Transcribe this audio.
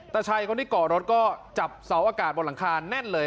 แต่พี่ชายที่เกาะรถก็หาเซาอากาศบนข้างเน้นเลย